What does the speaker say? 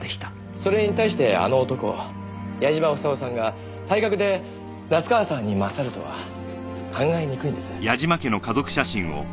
それに対して「あの男」矢嶋房夫さんが体格で夏河さんに勝るとは考えにくいんです。